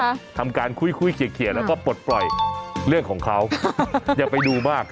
ทำการคุยคุยเขียนแล้วก็ปลดปล่อยเรื่องของเขาอย่าไปดูมาก